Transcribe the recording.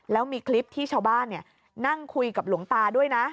แล้วมีคลิปที่ชาวบ้านนั่งคุยกับหลวงตาด้วยนะ